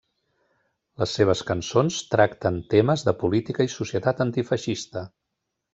Les seves cançons tracten temes de política i societat antifeixista.